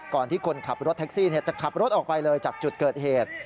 ที่คนขับรถแท็กซี่จะขับรถออกไปเลยจากจุดเกิดเหตุ